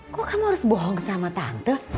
kok kamu harus bohong sama tante